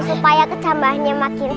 supaya kecambahnya makin sehat